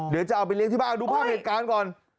เดี๋ยวจะเอาไปเลี้ยที่บ้านดูภาพเหตุการณ์ก่อน